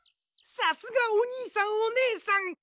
さすがおにいさんおねえさん！